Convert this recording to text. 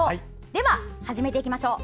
では始めていきましょう。